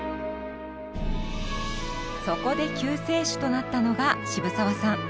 そこで救世主となったのが渋沢さん。